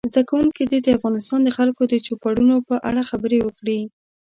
زده کوونکي دې د افغانستان د خلکو د چوپړونو په اړه خبرې وکړي.